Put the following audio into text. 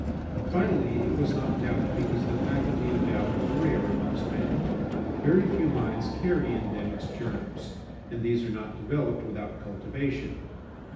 Finally, it was not doubted because the faculty of doubt is rare amongst men; very few minds carry in them its germs and these are not developed without cultivation.